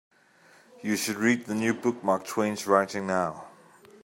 You should read the new book Mark Twain's writing now.